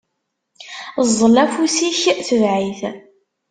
Ẓẓel afus-ik, tbeɛ-it!